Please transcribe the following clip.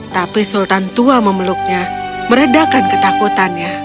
tapi sultan tua memeluknya meredakan ketakutannya